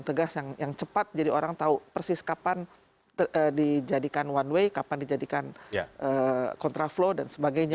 tegas yang cepat jadi orang tahu persis kapan dijadikan one way kapan dijadikan kontraflow dan sebagainya